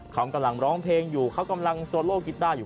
เขากำลังร้องเพลงอยู่เขากำลังโซโลกีต้าอยู่